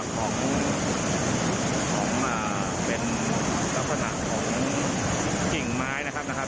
ของเป็นลักษณะของกิ่งไม้นะครับนะครับ